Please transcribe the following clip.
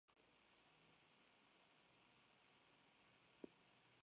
Muy probablemente fue discípulo de Francesc Valls.